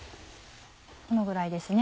このぐらいですね